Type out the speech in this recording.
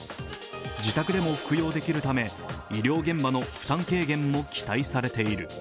自宅でも服用できるため医療現場の負担軽減も期待されている。